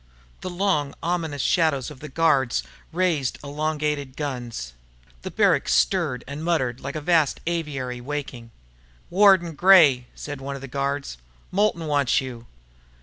The long ominous shadows of the guards raised elongated guns. The barracks stirred and muttered, like a vast aviary waking. "Ward and Gray," said one of the guards. "Moulton wants you."